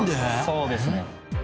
そうですね。